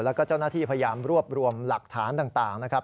แล้วก็เจ้าหน้าที่พยายามรวบรวมหลักฐานต่างนะครับ